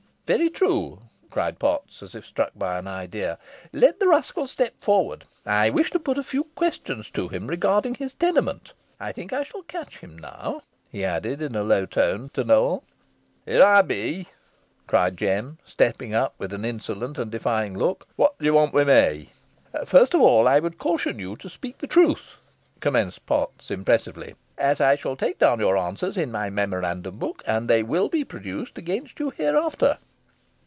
"Very true," cried Potts, as if struck by an idea. "Let the rascal step forward. I wish to put a few questions to him respecting his tenement. I think I shall catch him now," he added in a low tone to Nowell. "Here ey be," cried Jem, stepping up with an insolent and defying look. "Whot d'ye want wi' me?" "First of all I would caution you to speak the truth," commenced Potts, impressively, "as I shall take down your answers in my memorandum book, and they will be produced against you hereafter."